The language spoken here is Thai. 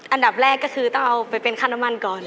อันดับแรกก็คือต้องเอาไปเป็นค่าน้ำมันก่อน